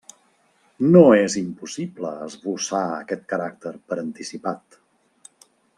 No és impossible esbossar aquest caràcter per anticipat.